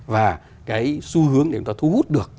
và cái xu hướng để chúng ta thu hút được